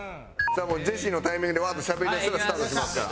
ジェシーのタイミングでわーっとしゃべりだしたらスタートしますから。